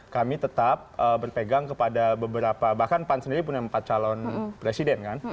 kami tetap berpegang kepada beberapa bahkan pan sendiri pun yang empat calon presiden kan